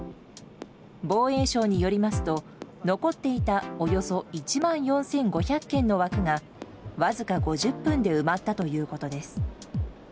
防衛省によりますと、残っていたおよそ１万４５００件の枠がわずか５０分で埋まったということです。